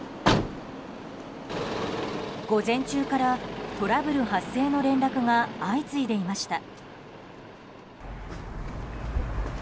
午前中からトラブル発生の連絡が相次いでいました。